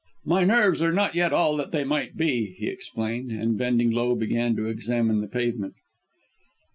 "My nerves are not yet all that they might be," he explained, and bending low began to examine the pavement.